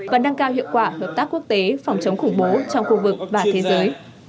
và nâng cao hiệu quả hợp tác quốc tế phòng chống khủng bố trong khu vực và thế giới